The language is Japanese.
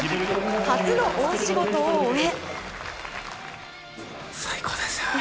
初の大仕事を終え。